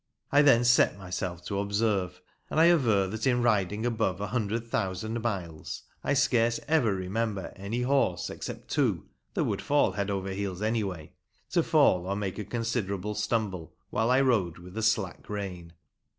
I then set myself to observe ; and I aver that in riding above a hundred thousand miles I scarce ever remember any horse except two (that would fall head over heels any way) to fall or make a considerable stumble, while I rode with a slack rein.